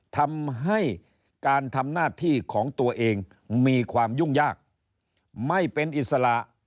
ทำให้การทำหน้าที่ของตัวเองมีความยุ่งยากไม่เป็นอิสระ